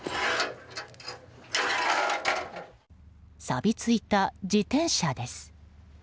さびついた自転車です。